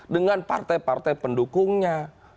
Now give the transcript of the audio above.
dengan partai partai pendukungnya